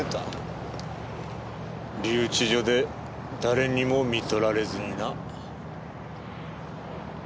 留置場で誰にもみとられずにな。